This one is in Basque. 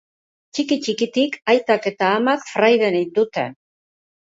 Ttiki ttikitik aitak eta amak fraide ninduten